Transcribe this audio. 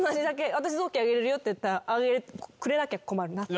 私臓器あげれるよって言ったらくれなきゃ困るな。